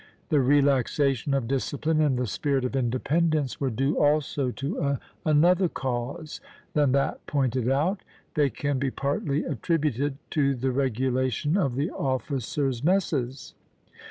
The relaxation of discipline and the spirit of independence were due also to another cause than that pointed out; they can be partly attributed to the regulation of the officers' messes.